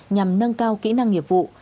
nhằm nâng cao kỹ năng nghiệp vụ